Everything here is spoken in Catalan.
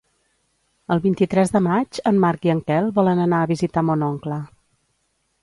El vint-i-tres de maig en Marc i en Quel volen anar a visitar mon oncle.